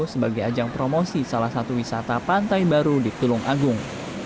sebagai ajang promosi salah satu wisata pantai baru di tulung agung